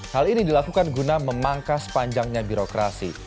hal ini dilakukan guna memangkas panjangnya birokrasi